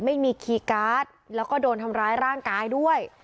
คีย์การ์ดแล้วก็โดนทำร้ายร่างกายด้วย